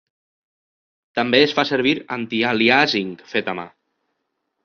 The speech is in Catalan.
També es fa servir antialiàsing fet a mà.